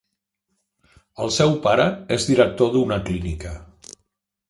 El seu pare és director d'una clínica.